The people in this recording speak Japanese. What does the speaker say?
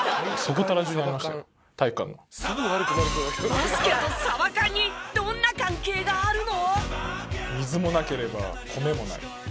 バスケとサバ缶にどんな関係があるの？